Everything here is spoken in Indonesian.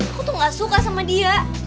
aku tuh gak suka sama dia